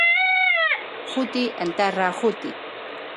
Guti enterra a Guti.